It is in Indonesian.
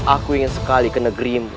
aku ingin sekali ke negerimu